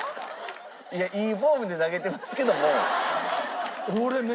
いやいいフォームで投げてますけども。